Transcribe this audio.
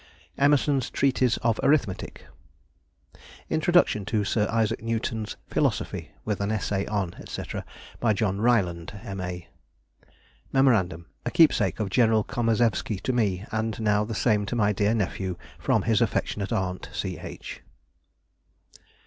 Emerson's Treatise of Arithmetic. Introduction to Sir I. Newton's Philosophy, with an Essay on, &c., by John Ryland, M.A. (Mem.—A Keepsake of General Komerzewsky to me, and now the same to my dear Nephew from his affectionate Aunt, C. H.)